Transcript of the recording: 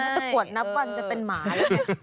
ตะกรวดนับก่อนจะเป็นหมาไม่ออก